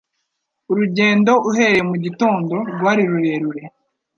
Urugendo uhereye mu gitondo rwari rurerure,